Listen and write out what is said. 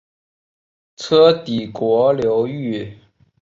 车底国流域。